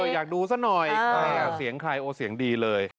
อยากดูสักหน่อยอยากเสียงใครโอ้เสียงดีเลย